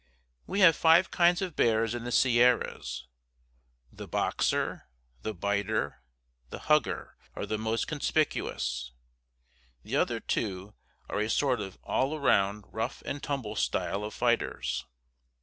We have five kinds of bears in the Sierras. The "boxer," the "biter," the "hugger," are the most conspicuous. The other two are a sort of "all round" rough and tumble style of fighters.